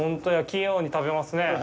器用に食べますね。